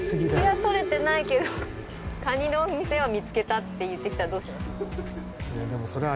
部屋とれてないけどカニのお店は見つけたって言ってきたらどうします？